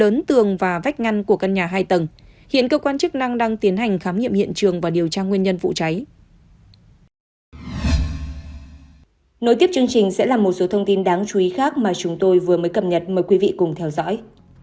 nối tiếp chương trình sẽ là một số thông tin đáng chú ý khác mà chúng tôi vừa mới cập nhật mời quý vị cùng theo dõi